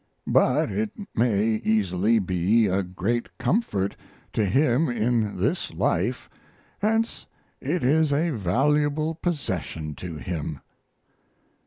But it may easily be a great comfort to him in this life hence it is a valuable possession to him.